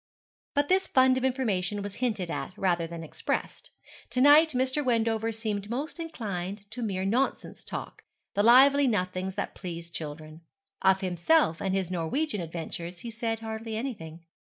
But this fund of information was hinted at rather than expressed. To night Mr. Wendover seemed most inclined to mere nonsense talk the lively nothings that please children. Of himself and his Norwegian adventures he said hardly anything.